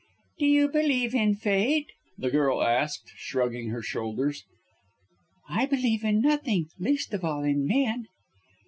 "Do you believe in fate?" the girl asked, shrugging her shoulders. "I believe in nothing least of all in men!"